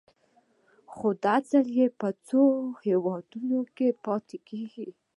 خو دا ځل به په څو هېوادونو کې پاتې کېږم.